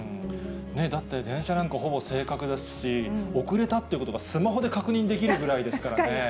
だってね、電車なんてほぼ正確ですし、遅れたってことがスマホで確認できるぐらいですからね。